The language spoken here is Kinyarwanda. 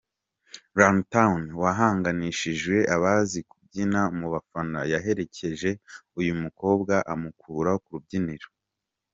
Runtown wahanganishije abazi kubyina mu bafana, yaherekeje uyu mukobwa amukura ku rubyiniro.